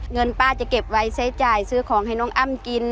เงินป้าจะเก็บไว้ใช้จ่ายซื้อของให้น้องอ้ำกิน